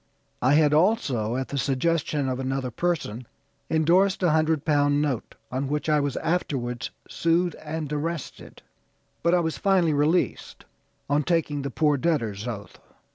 I had also, at the suggestion of another person, endorsed a hundred pound note, on which I was afterwards sued and arrested; but I was finally released on taking the 'poor debtor's oath.'